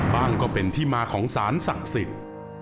ก็เป็นที่มาของสารศักดิ์สิทธิ์